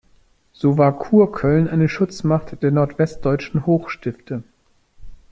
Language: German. So war Kurköln eine Schutzmacht der nordwestdeutschen Hochstifte.